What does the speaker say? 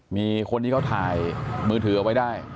มีคนที่เขาถ่ายมือถือเอาไว้ได้